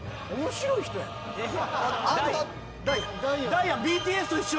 ダイアンＢＴＳと一緒！